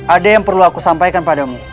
ada yang perlu aku sampaikan padamu